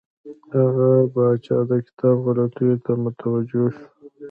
هغه پاچا د کتاب غلطیو ته متوجه شو.